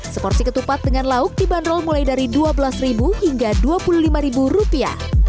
seporsi ketupat dengan lauk dibanderol mulai dari dua belas hingga dua puluh lima rupiah